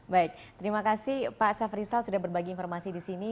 baik terima kasih pak safrizal sudah berbagi informasi di sini